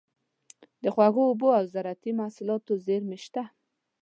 د خوږو اوبو او زارعتي محصولاتو زیرمې شته.